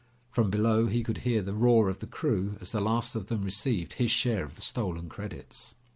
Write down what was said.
From below, he could hear the roar of the crew as the last of them received his share of the stolen credits.